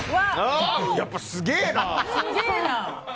やっぱすげえな！